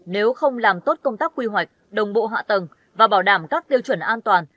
nếu không làm tốt công tác quy hoạch đồng bộ hạ tầng và bảo đảm các tiêu chuẩn an toàn